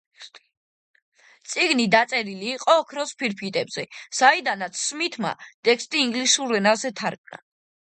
წიგნი დაწერილი იყო ოქროს ფირფიტებზე, საიდანაც სმითმა ტექსტი ინგლისურ ენაზე თარგმნა.